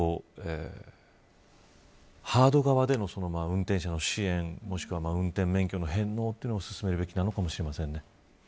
ハード側での運転者の支援もしくは運転免許の返納をすすめるべきかもしれませんね。